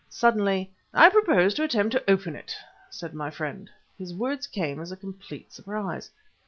Suddenly "I propose to attempt to open it," said my friend. His words came as a complete surprise.